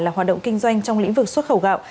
là hoạt động kinh doanh trong lĩnh vực xuất khẩu gạo